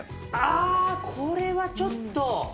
あぁこれはちょっと。